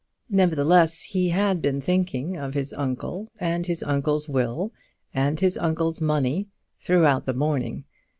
Nevertheless he had been thinking of his uncle, and his uncle's will, and his uncle's money, throughout the morning.